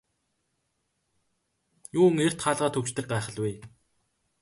Юун эрт хаалгаа түгждэг гайхал вэ.